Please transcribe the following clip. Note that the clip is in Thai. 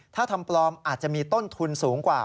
ถ้าทำปลอมอาจจะมีต้นทุนสูงกว่า